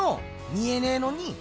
見えねぇのに？